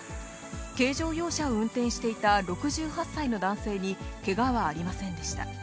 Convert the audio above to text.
軽乗用車を運転していた６８歳の男性にけがはありませんでした。